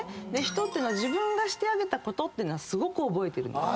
人ってのは自分がしてあげたことってのはすごく覚えてる。